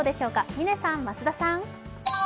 嶺さん、増田さん。